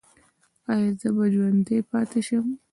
ایا زه به ژوندی پاتې شم؟